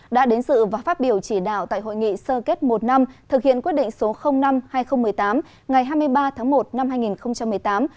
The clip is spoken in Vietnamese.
đã đến sự và phát biểu chỉ đạo tại hội nghị sơ kết một năm thực hiện quyết định số năm hai nghìn một mươi tám ngày hai mươi ba tháng một năm hai nghìn một mươi tám